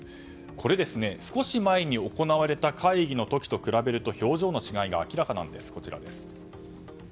これ、少し前に行われた会議の時と比べると表情の違いが明らかなんです。